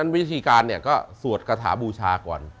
วิธีการเนี่ยก็สวดกระถาบูชาก่อน